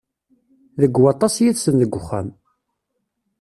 Deg waṭas yid-sen deg uxxam.